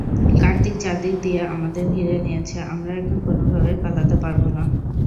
কার্তিক চারদিক দিয়ে আমাদের ঘিরে নিয়েছে, আমরা এখন কোনোভাবেই পালাতে পারবো না।